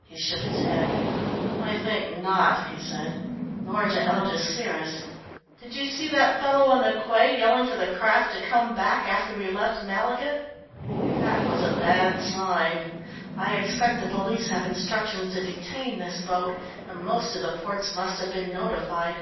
He shook his head. "I think not," he said, "nor to Algeciras. Did you see that fellow on the quay yelling for the craft to come back after we left Malaga? That was a bad sign. I expect the police have instructions to detain this boat, and most of the ports must have been notified."